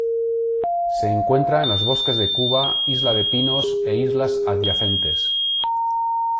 Se encuentra en los bosques de Cuba, isla de Pinos e islas adyacentes.